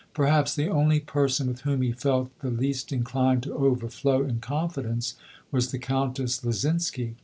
Perhaps the only person with whom he felt the least inclined to overflow in confidence, was the Countess Lyzinski.